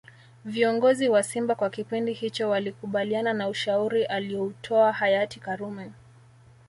Viongozi wa simba kwa kipindi hicho walikubaliana na ushauri alioutoa hayati karume